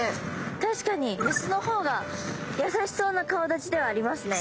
確かにメスの方が優しそうな顔だちではありますね。